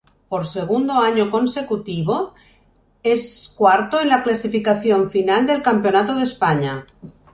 Por segundo año consecutivo es cuarto en la clasificación final del campeonato de España.